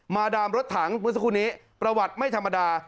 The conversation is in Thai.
ดามรถถังเมื่อสักครู่นี้ประวัติไม่ธรรมดา